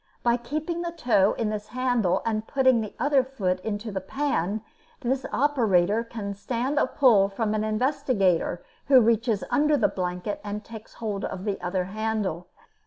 By keeping the toe in this handle and putting the other foot into the pan, the operator can "stand a pull" from an investigator, who reaches under the blanket and takes hold of the other handle.